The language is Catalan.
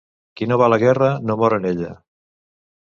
Qui no va a la guerra no mor en ella.